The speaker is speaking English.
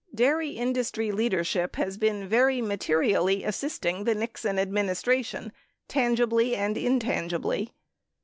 Dairy industry leadership has been very materially assisting the Nixon administration tan gibly and intangibly.